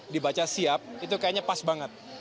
dibaca siap itu kayaknya pas banget